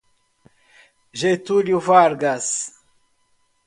Getúlio Vargas